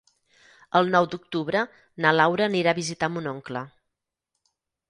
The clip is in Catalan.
El nou d'octubre na Laura anirà a visitar mon oncle.